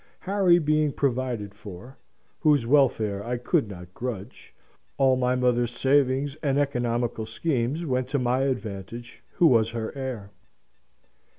Harry being provided for (whose welfare I could not grudge), all my mother's savings and economical schemes went to my advantage, who was her heir.